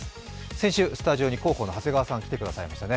先週スタジオに広報の長谷川さんが来てくださいましたね。